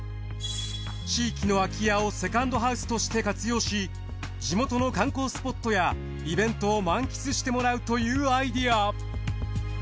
地域の空家をセカンドハウスとして活用し地元の観光スポットやイベントを満喫してもらうというアイデア。